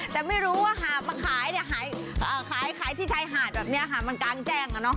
แต่ไม่รู้ว่าหามาขายที่ไทยหาดแบบนี้หามากลางแจ้งนะ